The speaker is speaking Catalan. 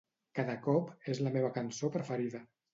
"Cada cop" és la meva cançó preferida.